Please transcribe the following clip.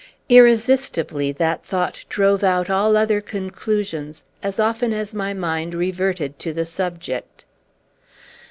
irresistibly that thought drove out all other conclusions, as often as my mind reverted to the subject.